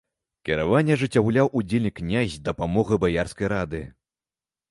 Кіраванне ажыццяўляў удзельны князь з дапамогай баярскай рады.